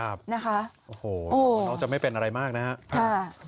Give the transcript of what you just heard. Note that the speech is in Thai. โอ้โหน้องจะไม่เป็นอะไรมากนะครับ